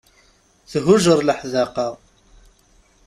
Thuǧer leḥdaqa.